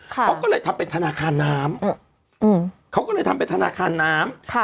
เขาก็เลยทำเป็นธนาคารน้ำเขาก็เลยทำเป็นธนาคารน้ำ